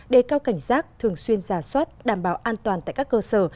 đề cao cảnh giác thường xuyên giả soát đảm bảo an toàn tại các cơ sở